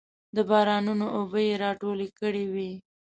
د بارانونو اوبه یې راټولې کړې وې.